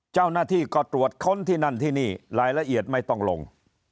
เจ้าหน้าที่ก็ตรวจค้นที่นั่นที่นี่รายละเอียดไม่ต้องลง